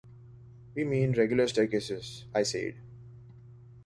“We mean regular staircases,” I said.